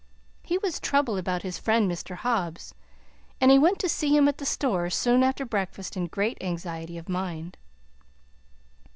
He was troubled about his friend, Mr. Hobbs, and he went to see him at the store soon after breakfast, in great anxiety of mind.